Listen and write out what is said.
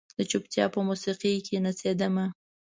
د چوپتیا په موسیقۍ کې نڅیدمه